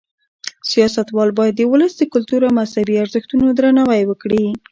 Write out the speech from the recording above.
سیاستوال باید د ولس د کلتور او مذهبي ارزښتونو درناوی وکړي.